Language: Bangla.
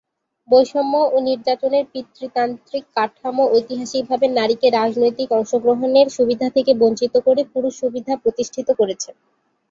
বৈষম্য ও নির্যাতনের পিতৃতান্ত্রিক কাঠামো ঐতিহাসিকভাবে নারীকে রাজনৈতিক অংশগ্রহণের সুবিধা থেকে বঞ্চিত করে পুরুষ সুবিধা প্রতিষ্ঠিত করেছে।